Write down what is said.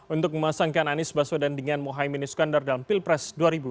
untuk memasangkan anies baswedan dengan mohaimin iskandar dalam pilpres dua ribu dua puluh